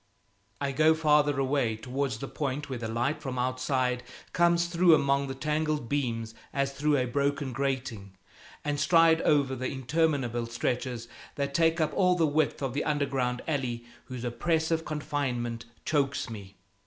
I go farther away, towards the point where the light from outside comes through among the tangled beams as through a broken grating, and stride over the interminable stretchers that take up all the width of the underground alley whose oppressive confinement chokes me.